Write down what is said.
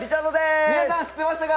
皆さん、知ってましたか？